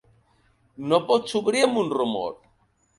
No pots obrir amb un rumor!